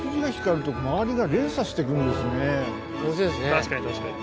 確かに確かに。